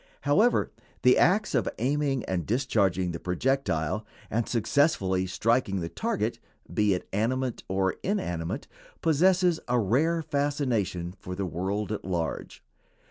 However, the acts of aiming and discharging the projectile, and successfully striking the target, be it animate or inanimate, possess a rare fascination for the world at large.